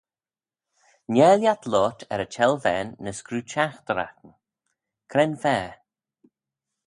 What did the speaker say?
Nhare lhiat loayrt er y çhellvane ny screeu çhaghteraghtyn? Cre'n fa?